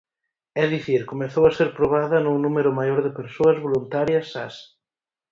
É dicir, comezou a ser probada nun numero maior de persoas voluntarias sas.